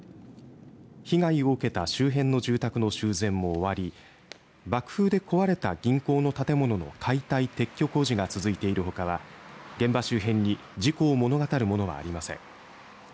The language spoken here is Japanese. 被害を受けた周辺の住宅の修繕も終わり爆風で壊れた銀行の建物の解体・撤去工事が続いているほかは現場周辺に事故を物語るものはありません。